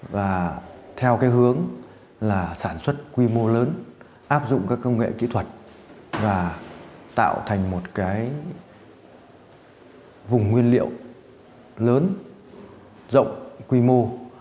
và theo cái hướng là sản xuất quy mô lớn áp dụng các công nghệ kỹ thuật và tạo thành một cái vùng nguyên liệu lớn rộng quy mô